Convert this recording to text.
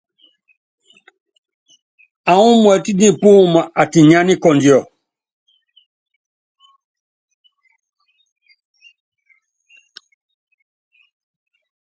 Aŋɔ́ muɛ́t nipúum atinyá nikɔndiɔ.